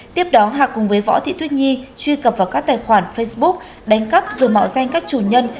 tiếp đó hà cùng với võ thị tuyết nhi truy cập vào các tài khoản facebook đánh cắp rồi mạo danh các chủ nhân